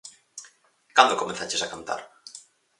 Cando comezaches a cantar?